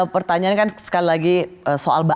pertanyaan kan sekali lagi soal